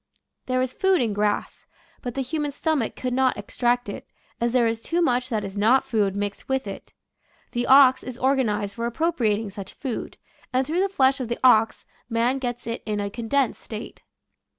There is food in grass, but the human stomach could not extract it, as there is too much that is not food mixed with it. The ox is organized for appropriating such food, and through the flesh of the ox man gets it in a condensed state.